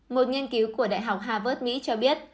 một nghiên cứu của đại học harvard mỹ cho biết